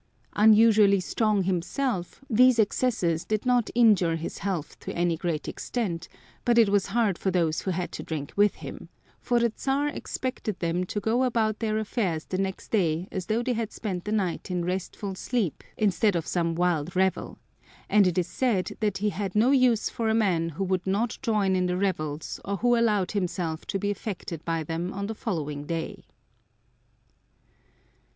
Unusually strong himself these excesses did not injure his health to any great extent, but it was hard for those who had to drink with him, for the Czar expected them to go about their affairs the next day as though they had spent the night in restful sleep instead of some wild revel, and it is said that he had no use for a man who would not join in the revels or who allowed himself to be affected by them on the following day.